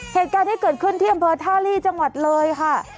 เหตุการณ์ที่เกิดขึ้นที่อำเภอท่าลีจังหวัดเลยค่ะ